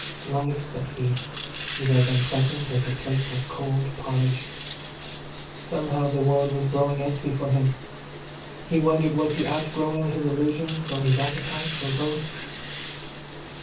Life, said he, is as unpleasant as a plate of cold porridge. Somehow the world was growing empty for him. He wondered was he outgrowing his illusions, or his appetites, or both?